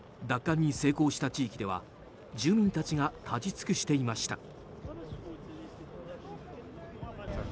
奪還に成功した地域では住民たちが立ち尽くしていました。